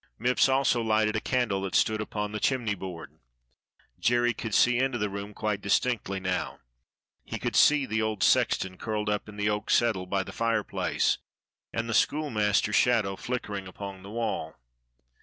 Mipps also lighted a candle that stood upon the chimney board. Jerry could see into the room quite distinctly now: he could see the old sexton curled up in the oak settle by the fireplace, and the schoolmaster's shadow flickering upon the wall.